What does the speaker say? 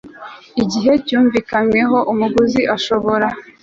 gihe cyumvikanyweho umuguzi ashobora